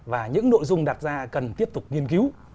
và những nội dung đặt ra cần tiếp tục nghiên cứu